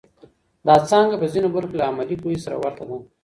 دا څانګه په ځینو برخو کې له عملي پوهې سره ورته ده.